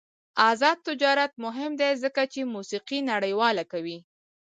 آزاد تجارت مهم دی ځکه چې موسیقي نړیواله کوي.